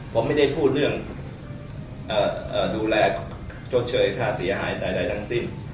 ผมไม่ได้พูดเรื่องดูแลชดเชยค่าเสียหายใดทั้งสิ้น